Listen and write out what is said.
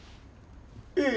ええ。